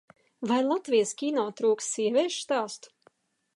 Vai Latvijas kino trūkst sieviešu stāstu?